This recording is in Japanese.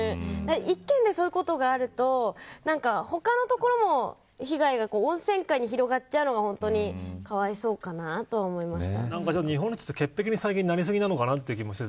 １軒でそういうところがあると他のところも被害が温泉街に広がっちゃうのがかわいそうかなと思いました。